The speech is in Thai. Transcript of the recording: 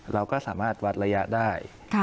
เราก็สามารถวัดระยะได้